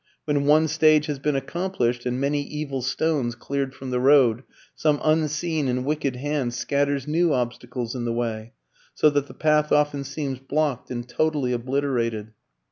When one stage has been accomplished, and many evil stones cleared from the road, some unseen and wicked hand scatters new obstacles in the way, so that the path often seems blocked and totally obliterated.